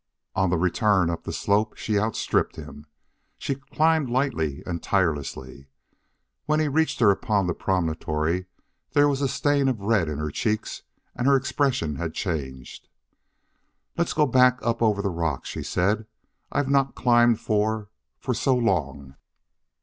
On the return up the slope she outstripped him. She climbed lightly and tirelessly. When he reached her upon the promontory there was a stain of red in her cheeks and her expression had changed. "Let's go back up over the rocks," she said. "I've not climbed for for so long."